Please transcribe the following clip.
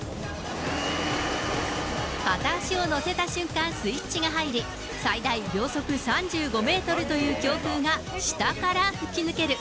片足をのせた瞬間スイッチが入り、最大秒速３５メートルという強風が下から吹き抜ける。